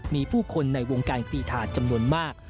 มีผู้คนในวงการกรีธาจำนวนมาก